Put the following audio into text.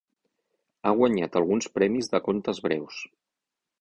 Ha guanyat alguns premis de contes breus.